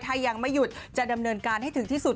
ถ้ายังไม่หยุดจะดำเนินการให้ถึงที่สุด